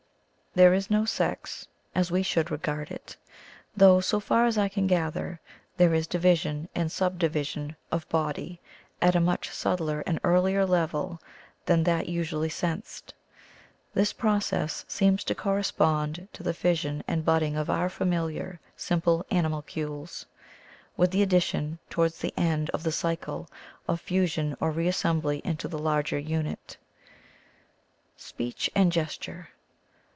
There is no sex, as we should regard it, though, so far as I can gather, there is division and sub division of 'body' at a much subtler and earlier level than that usually sensed. This process seems to correspond to the fission and bud ding of our familiar simple animalcules, with the addition, towards the end of the cycle, of fusion or reassembly into the larger unit. *' Speech and Gestuee.